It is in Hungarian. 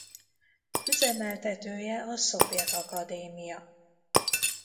Üzemeltetője a szovjet Akadémia.